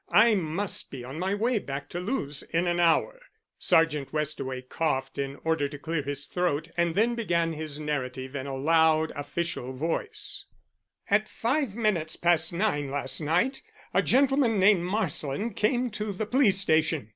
I must be on my way back to Lewes in an hour." Sergeant Westaway coughed in order to clear his throat, and then began his narrative in a loud official voice: "At five minutes past nine last night a gentleman named Marsland came to the police station.